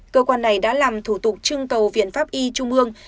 cơ quan này đã làm thủ tục trưng cầu viện pháp y trung ương